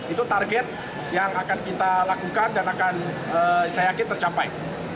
itu target yang akan kita lakukan dan akan saya yakin tercapai